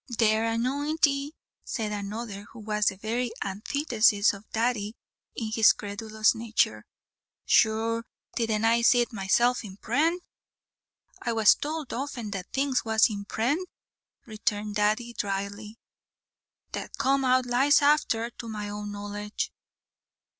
"Tare anounty," said another, who was the very antithesis of Daddy in his credulous nature, "sure, didn't I see it myself in prent." "I was towld often that things was in prent," returned Daddy, drily, "that come out lies afther, to my own knowledge."